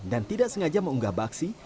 dan tidak sengaja mengunggah baksi